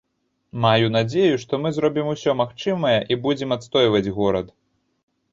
Маю надзею, што мы зробім усё магчымае і будзем адстойваць горад.